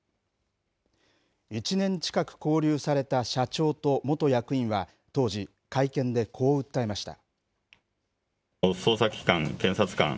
１年近く勾留された社長と元役員は、当時、会見でこう訴えました。